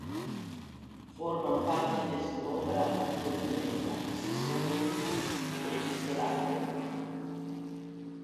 Forman parte de su Obra completa, sección D. "Epistolario".